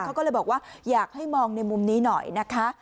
เขาก็เลยบอกว่าอยากให้มองในมุมนี้หน่อยนะคะ